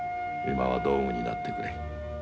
今は道具になってくれ。